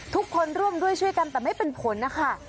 ร่วมด้วยช่วยกันแต่ไม่เป็นผลนะคะ